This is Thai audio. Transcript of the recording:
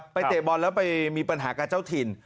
เตะบอลแล้วไปมีปัญหากับเจ้าถิ่น